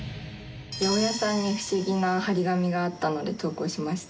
八百屋さんに不思議な貼り紙があったので投稿しました。